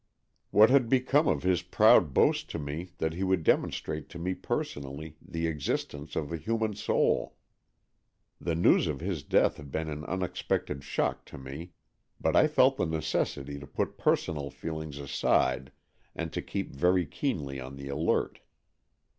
What had become of his proud boast to me that he would demonstrate to me personally the existence of the human soul.^ The news of his death had been an unexpected shock to me, but I felt the necessity to put personal feelings aside and to keep very keenly on the alert.